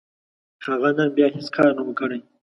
هغه نن بيا هيڅ کار نه و، کړی.